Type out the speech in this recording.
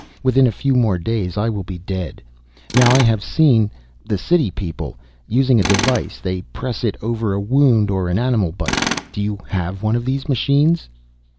Within a few more days I will be dead. Now I have seen ... the city people ... using a device, they press it over a wound or an animal bite. Do you have one of these machines?"